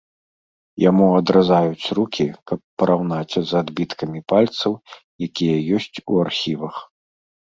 Яму адразаюць рукі, каб параўнаць з адбіткамі пальцаў, якія ёсць у архівах.